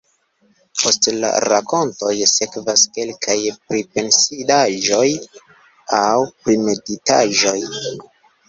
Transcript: Post la rakontoj sekvas kelkaj pripensindaĵoj aŭ primeditaĵoj.